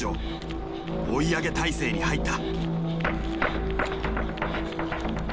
追い上げ態勢に入った。